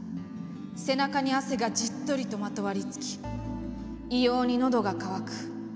背中に汗がじっとりとまとわりつき異様に喉が渇く。